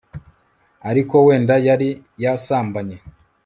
ariko wenda yari yasambanye